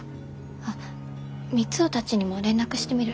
あっ三生たちにも連絡してみる。